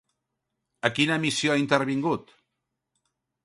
A quina emissió ha intervingut?